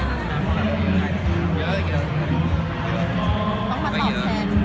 ไม่ต้องมาน่อแทน